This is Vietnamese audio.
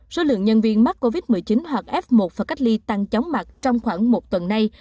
số lượng nhân viên mắc covid một mươi chín hoặc f một và cách ly tăng chóng mặt trong khoảng một tuần nay